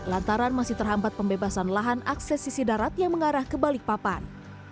lantaran masih terhambat pembebasan lahan akses sisi darat yang mengarah ke balikpapan